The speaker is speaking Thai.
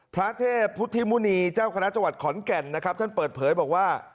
พระเทพพุทธมุณีเจ้าคณะจังหวัดขอนแก่นนะครับท่านเปิดเผยบอกว่า